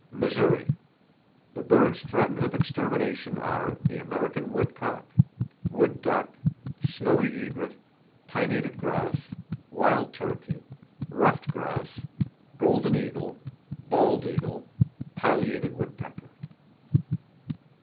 Missouri: The birds threatened with extermination are the American woodcock, wood duck, snowy egret, pinnated grouse, wild turkey, ruffed grouse, golden eagle, bald eagle, pileated woodpecker.